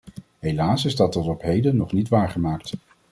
Helaas is dat tot op heden nog niet waargemaakt.